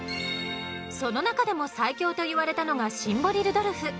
その中でも最強と言われたのがシンボリルドルフ。